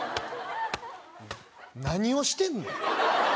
何をしてんの？